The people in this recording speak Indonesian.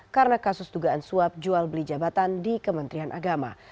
karena kasus tugaan suap jual beli jabatan di kementerian agama